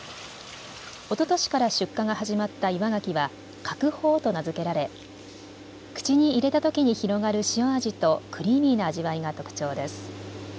おととしから出荷が始まった岩ガキは鶴宝と名付けられ口に入れたときに広がる塩味とクリーミーな味わいが特徴です。